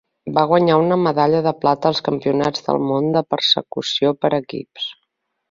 Va guanyar una medalla de plata als Campionats del món de persecució per equips.